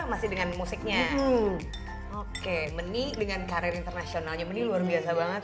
masih dengan musiknya oke meni dengan karir internasionalnya meni luar biasa banget